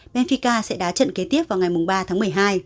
menfika sẽ đá trận kế tiếp vào ngày ba tháng một mươi hai